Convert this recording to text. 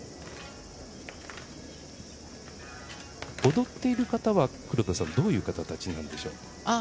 踊っている方はどういう方たちなんでしょう？